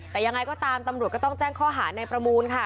แต่ยังไงก็ตามตำรวจก็ต้องแจ้งข้อหาในประมูลค่ะ